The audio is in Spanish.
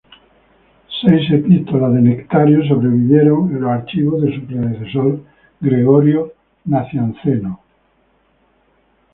Seis epístolas de Nectario sobrevivieron en los archivos de su predecesor, Gregorio Nacianceno.